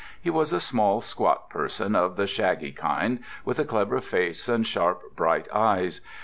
He was a small, squat person, of the shaggy kind, with a clever face and sharp, bright eyes.